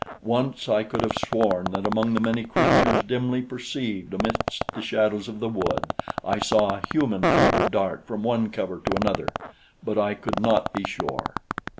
Once I could have sworn that among the many creatures dimly perceived amidst the shadows of the wood I saw a human figure dart from one cover to another, but I could not be sure.